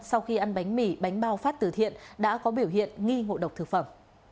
sau khi ăn bánh mì bánh bao phát từ thiện đã có biểu hiện nghi ngộ độc thực phẩm